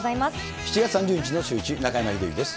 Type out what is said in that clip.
７月３０日のシューイチ、中山秀征です。